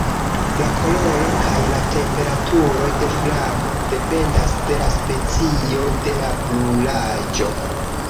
La koloro kaj la temperaturo de flamo dependas de la specio de la brulaĵo.